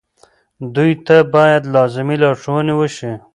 دوی ته باید لازمې لارښوونې وشي.